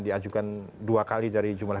diajukan dua kali dari jumlah